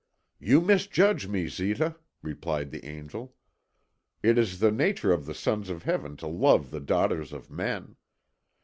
"You misjudge me, Zita," replied the angel. "It is the nature of the sons of heaven to love the daughters of men.